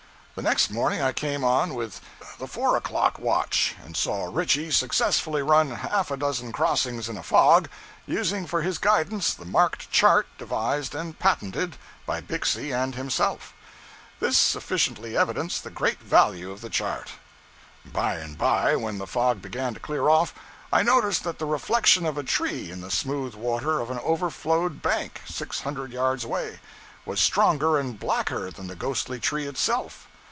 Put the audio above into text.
The next morning I came on with the four o'clock watch, and saw Ritchie successfully run half a dozen crossings in a fog, using for his guidance the marked chart devised and patented by Bixby and himself. This sufficiently evidenced the great value of the chart. By and by, when the fog began to clear off, I noticed that the reflection of a tree in the smooth water of an overflowed bank, six hundred yards away, was stronger and blacker than the ghostly tree itself.